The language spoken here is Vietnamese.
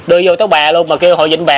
đưa vô tới bà luôn mà kêu họ dịch bà